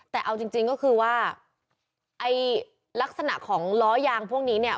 แต่เอาจริงก็คือว่าไอ้ลักษณะของล้อยางพวกนี้เนี่ย